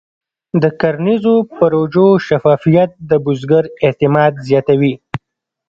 د کرنیزو پروژو شفافیت د بزګر اعتماد زیاتوي.